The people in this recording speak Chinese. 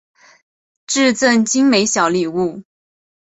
致赠精美小礼物